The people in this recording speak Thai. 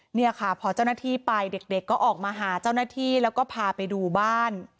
เนี่ยค่ะพอเจ้าหน้าที่ไปเด็กก็ออกมาหาเจ้าหน้าที่แล้วก็พาไปดูบ้าน